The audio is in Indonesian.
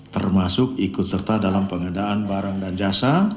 termasuk ikut serta dalam pengadaan barang dan jasa